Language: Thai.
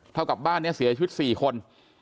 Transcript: เท่ากับบ้านนี้เสียชีวิต๔คน